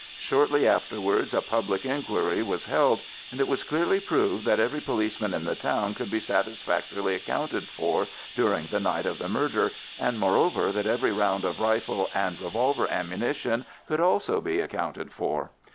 Shortly afterwards a public inquiry was held, and it was clearly proved that every policeman in the town could be satisfactorily accounted for during the night of the murder, and, moreover, that every round of rifle and revolver ammunition could also be accounted for.